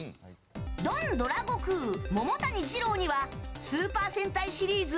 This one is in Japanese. ドンドラゴクウ、桃谷ジロウにはスーパー戦隊シリーズ